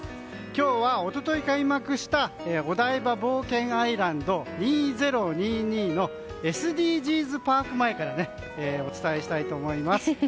今日は一昨日開幕したオダイバ冒険アイランド２０２２のＳＤＧｓパークからお伝えしたいと思います。